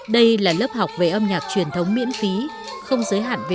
đây là lớp học về âm nhạc truyền thống miễn phí không giới hạn về độ tuổi